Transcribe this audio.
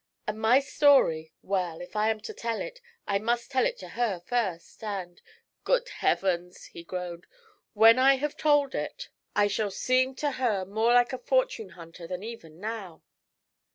And my story well, if I am to tell it, I must tell it to her first, and good heavens!' he groaned, 'when I have told it, I shall seem to her more like a fortune hunter than even now.'